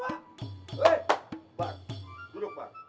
hei bar duduk bar